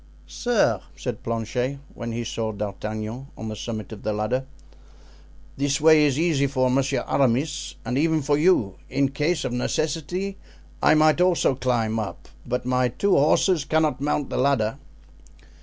"Sir," said Planchet when he saw D'Artagnan on the summit of the ladder, "this way is easy for Monsieur Aramis and even for you; in case of necessity I might also climb up, but my two horses cannot mount the ladder."